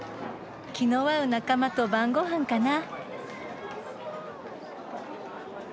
気の合う仲間と晩ご飯かな。